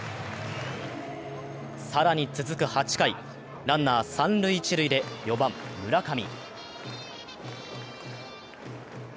更に続く８回、ランナー三・一塁で４番・村上。